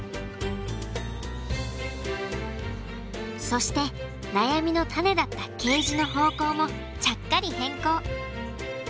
そして悩みの種だったケージの方向もちゃっかり変更。